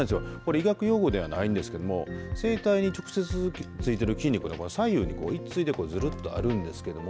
医学用語ではないんですけれども声帯に直接ついている筋肉で左右に、一対でずるっとあるんですけれども。